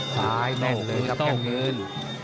ต้องเงินต้องเงิน